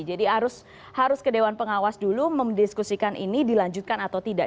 jadi harus ke dewan pengawas dulu mendiskusikan ini dilanjutkan atau tidak